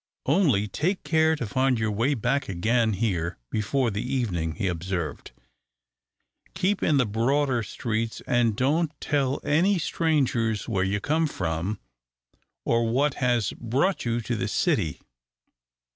"Only take care to find your way back again here before the evening," he observed. "Keep in the broader streets, and don't tell any strangers where you come from, or what has brought you to the city."